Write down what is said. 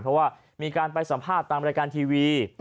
เพราะว่ามีการไปสัมภาษณ์ตามรายการทีวี